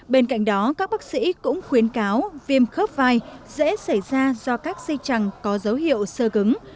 bên cạnh đó các bác sĩ cũng khuyến cáo viêm khớp vai dễ xảy ra do các si chẳng có dấu hiệu sơ cứng